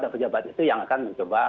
dan pejabat itu yang akan mencoba